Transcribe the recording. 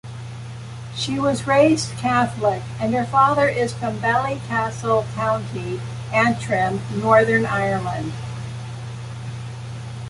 She was raised Catholic and her father is from Ballycastle, County Antrim, Northern Ireland.